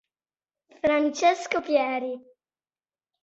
Francesco Pieri